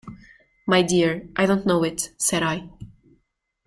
"My dear, I don't know it," said I.